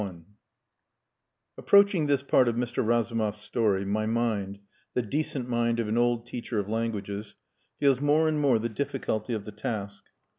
III Approaching this part of Mr. Razumov's story, my mind, the decent mind of an old teacher of languages, feels more and more the difficulty of the task.